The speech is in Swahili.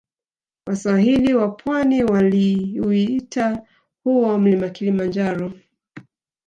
Waswahili wa pwani waliuita huo mlima kilimanjaro